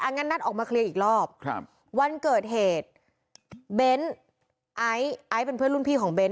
งั้นนัดออกมาเคลียร์อีกรอบครับวันเกิดเหตุเบ้นไอซ์ไอซ์เป็นเพื่อนรุ่นพี่ของเน้น